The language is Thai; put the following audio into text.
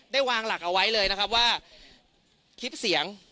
วางหลักเอาไว้เลยนะครับว่าคลิปเสียง